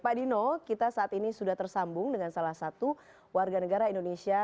pak dino kita saat ini sudah tersambung dengan salah satu warga negara indonesia